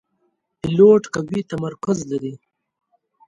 پیلوټ قوي تمرکز لري.